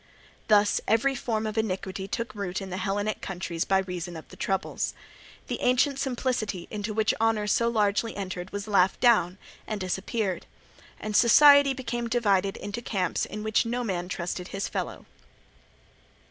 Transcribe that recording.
Thus every form of iniquity took root in the Hellenic countries by reason of the troubles. The ancient simplicity into which honour so largely entered was laughed down and disappeared; and society became divided into camps in which no man trusted his fellow.